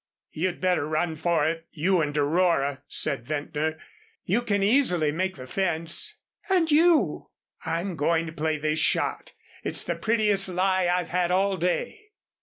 "You'd better run for it, you and Aurora," said Ventnor. "You can easily make the fence." "And you?" "I'm going to play this shot. It's the prettiest lie I've had all day."